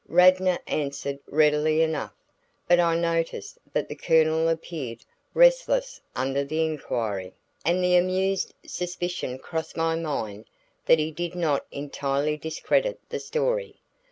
Radnor answered readily enough, but I noticed that the Colonel appeared restless under the inquiry, and the amused suspicion crossed my mind that he did not entirely discredit the story.